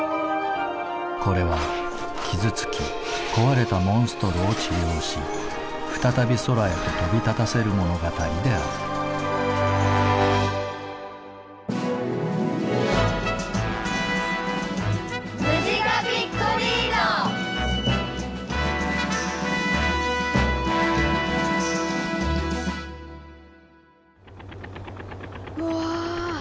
これは傷つき壊れたモンストロを治療し再び空へと飛び立たせる物語であるわぁ！